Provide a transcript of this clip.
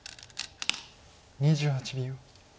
２８秒。